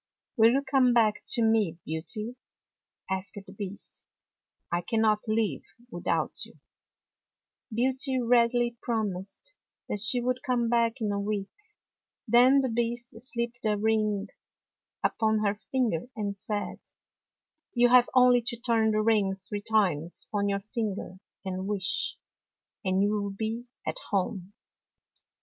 "" Will you come back to me. Beauty? " asked the Beast. " I cannot live without you." [ 85 ] FAVORITE FAIRY TALES RETOLD Beauty readily promised that she would come back in a week. Then the Beast slipped a ring upon her finger and said, "You have only to turn the ring three times on your finger and wish, and you will be at home.